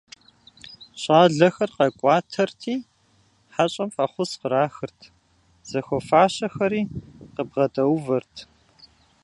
ЩӀалэхэр къэкӀуатэрти, хьэщӀэм фӀэхъус кърахырт, зыхуэфащэхэри къыбгъэдэувэрт.